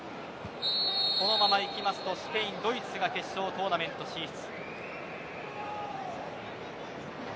このままいきますとスペイン、ドイツが決勝トーナメント進出。